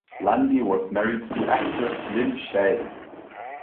Landey was married to actress Lin Shaye.